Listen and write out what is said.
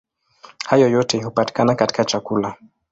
Hayo yote hupatikana katika chakula.